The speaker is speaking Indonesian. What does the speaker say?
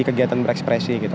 kegiatan berekspresi gitu